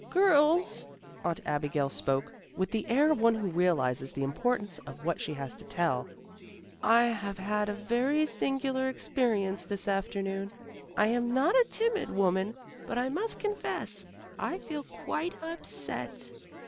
"Girls!" Aunt Abigail spoke with the air of one who realizes the importance of what she has to tell. "I have had a very singular experience this afternoon. I am not a timid woman, but I must confess I feel quite upset."